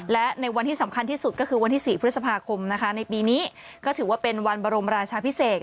และในวันที่สำคัญที่สุดก็คือวันที่๔พฤษภาคมนะคะในปีนี้ก็ถือว่าเป็นวันบรมราชาพิเศษ